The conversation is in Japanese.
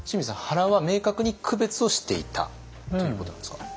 原は明確に区別をしていたということなんですか？